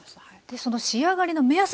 でその仕上がりの目安